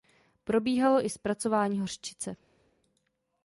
Probíhalo i zpracování hořčice.